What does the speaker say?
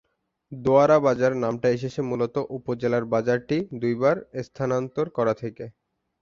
দোয়ারাবাজার নামটা এসেছে মূলত উপজেলার বাজারটি দুইবার স্থানান্তর করা থেকে।